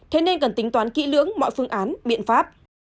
thế nên cần tính toán kỹ lưỡng mọi phương án biện pháp